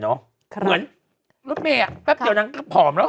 เหมือนรถเมย์แป๊บเดียวนางก็ผอมแล้ว